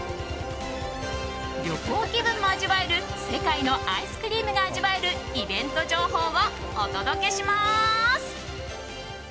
旅行気分が味わえる世界のアイスクリームが味わえるイベント情報をお届します。